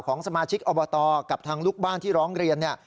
ของสมาชิกอบตกับทางลูกบ้านที่ร้องเรียนเนี่ย